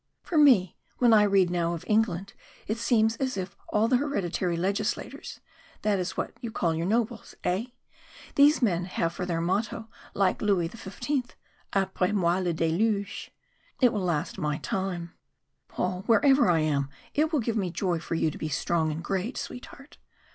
For me, when I read now of England, it seems as if all the hereditary legislators it is what you call your nobles, eh? these men have for their motto, like Louis XV., Après moi le déluge It will last my time. Paul, wherever I am, it will give me joy for you to be strong and great, sweetheart.